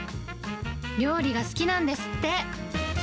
料理が好きなんですって。